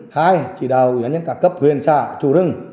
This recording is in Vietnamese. hai chỉ đào ủy án nhân cả cấp huyền xã chủ rừng